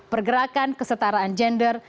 pergerakan kesetaraan gender